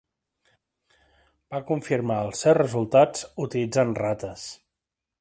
Va confirmar els seus resultats utilitzant rates.